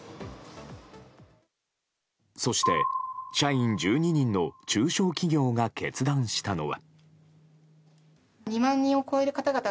そして、社員１２人の中小企業が決断したのは。